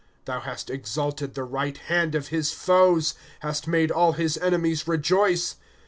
*^ Thou hast exalted the right hand of his foes ; Hast made all his enemies rejoice.